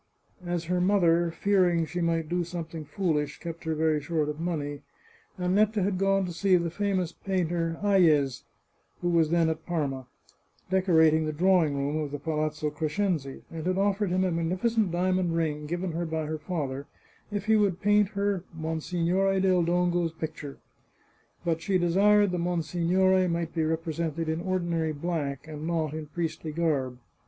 As her mother, fearing she might do something foolish, kept her very short of money, Annetta had gone to see the famous painter Hayez, who was then at Parma, decorating the drawing room of the Palazzo Crescenzi, and had offered him a magnificent diamond ring given her by her father if he would paint her Monsignore del Dongo's picture. But she desired the monsignore might be represented in ordinary black, and not in priestly garb.